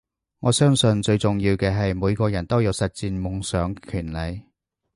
我相信最重要嘅係每個人都有實踐夢想嘅權利